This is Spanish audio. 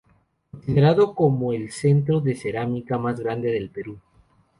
Considerado como el centro de cerámica más grande del sur del Perú.